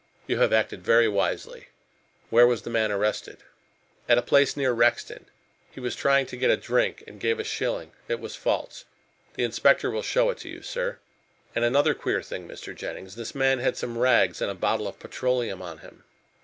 You have acted very wisely. Where was the man arrested?" "At a place near Rexton. He was trying to get a drink and gave a shilling it was false. The inspector will show it to you, sir. And another queer thing, Mr. Jennings, this man had some rags and a bottle of petroleum on him."